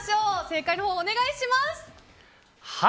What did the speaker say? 正解のほう、お願いします。